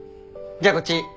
じゃあこっち。